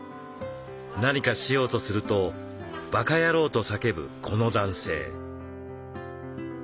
何かしようとすると「ばか野郎」と叫ぶこの男性。